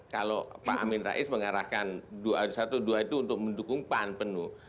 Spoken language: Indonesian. kalau pak amin rais mengarahkan dua ratus dua belas itu untuk mendukung pan penuh